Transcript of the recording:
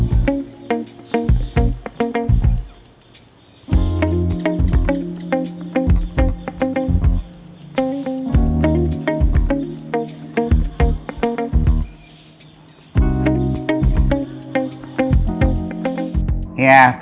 กับเพื่อนพี่แบบรู้สึก